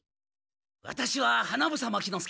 ワタシは花房牧之介。